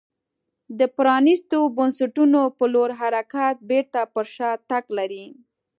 د پرانیستو بنسټونو په لور حرکت بېرته پر شا تګ لري.